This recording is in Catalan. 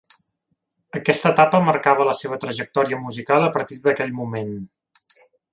Aquesta etapa marcara la seva trajectòria musical a partir d'aquell moment.